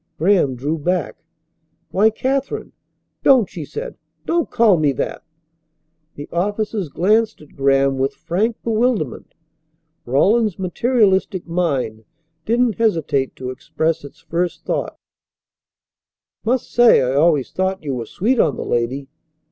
Graham drew back. "Why, Katherine " "Don't," she said. "Don't call me that." The officers glanced at Graham with frank bewilderment. Rawlins's materialistic mind didn't hesitate to express its first thought: "Must say, I always thought you were sweet on the lady."